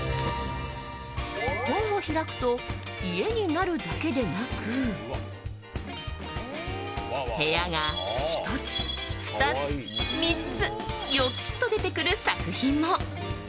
本を開くと、家になるだけでなく部屋が１つ、２つ、３つ、４つと出てくる作品も。